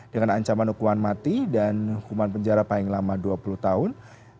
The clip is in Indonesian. dengan ancaman hukuman mati dan hukuman penjara paling lama dua puluh tahun